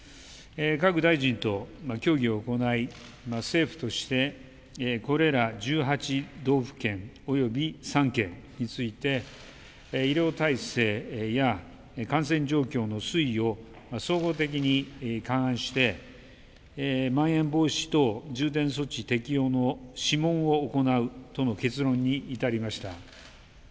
各大臣と協議を行い政府としてこれら１８道府県および３県について医療体制や感染状況の推移を総合的に勘案してまん延防止等重点措置適用の諮問を行うとの結論に至りました。